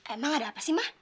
emang ada apa sih mah